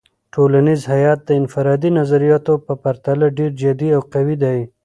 ټولنیز هیت د انفرادي نظریاتو په پرتله ډیر جدي او قوي دی.